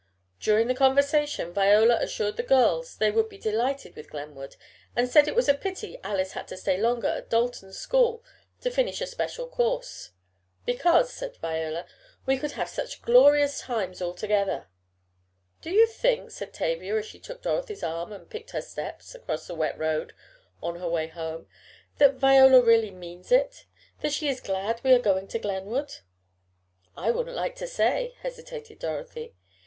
During the conversation Viola assured the girls they would be delighted with Glenwood and said it was a pity Alice had to stay longer at Dalton school to finish a special course. "Because," said Viola, "we could have such glorious times all together." "Do you think," said Tavia, as she took Dorothy's arm and "picked her steps," across the wet road on her way home, "that Viola really means it? That she is glad we are going to Glenwood?" "I wouldn't like to say," hesitated Dorothy.